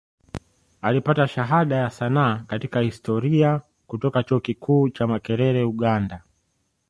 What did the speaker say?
Alipata Shahada ya Sanaa katika Historia kutoka Chuo Kikuu cha Makerere Uganda